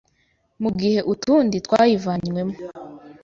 mu gihe utundi twayivanywemo